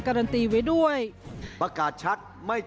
ก็พูดเสียงดังฐานชินวัฒน์